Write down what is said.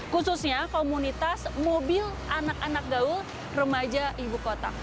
khususnya komunitas mobil anak anak gaul remaja ibu kota